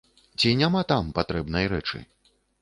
Ці няма там патрэбнай рэчы?